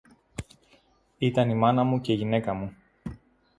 Ήταν η μάνα μου και η γυναίκα μου